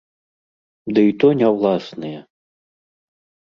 Дый то не ўласныя.